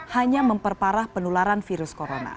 hanya memperparah penularan virus corona